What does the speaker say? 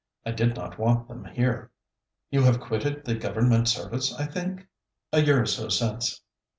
I did not want them here. You have quitted the Government service, I think?' 'A year or so since.'